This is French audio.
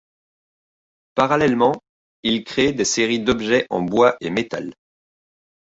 Parallèlement, il crée des séries d'objets en bois et métal.